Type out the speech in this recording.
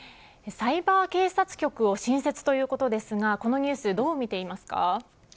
サイバー警察局を新設ということですがこのニュースどうみていますか。